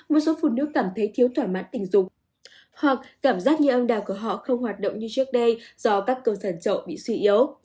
một số phụ nữ cảm thấy thiếu thoải mãn tình dục hoặc cảm giác như âm đào của họ không hoạt động như trước đây do các cơ sản trậu bị suy yếu